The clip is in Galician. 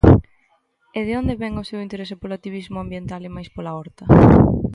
E de onde vén o seu interese polo activismo ambiental e mais pola horta?